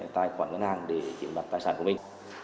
tài khoản ngân hàng để chiếm đặt tài sản của mình